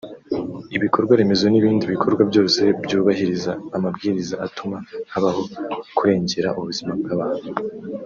ibikorwaremezo n’ibindi bikorwa byose byubahiriza amabwiriza atuma habaho kurengera ubuzima bw’abantu